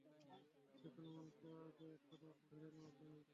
যেকোনো মানুষকে আগে খারাপ ধরে নাও তুমি।